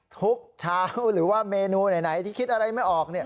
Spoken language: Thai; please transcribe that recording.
ทุกเช้าหรือว่าเมนูไหนที่คิดอะไรไม่ออก